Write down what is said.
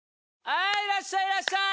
はいいらっしゃいいらっしゃい！